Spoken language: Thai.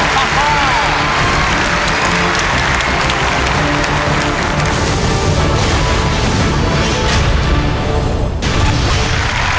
ขอบคุณครับ